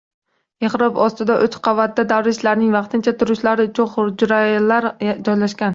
Mehrob ortida uch qavatda darvishlarning vaqtincha turishlari uchun xujralar joylashgan